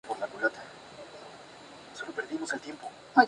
La isla Hassel fue ocupada por los británicos durante las Guerras Napoleónicas.